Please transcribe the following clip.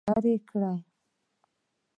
تاج له اختر څخه لري.